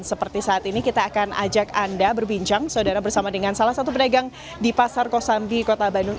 seperti saat ini kita akan ajak anda berbincang saudara bersama dengan salah satu pedagang di pasar kosambi kota bandung